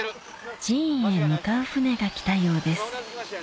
寺院へ向かう船が来たようです